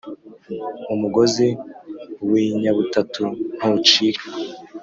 Umugozi uw inyabutatu ntucika